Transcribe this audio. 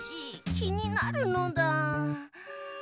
きになるのだ。